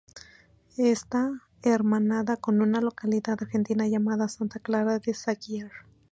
Está hermanada con una localidad argentina llamada Santa Clara de Saguier.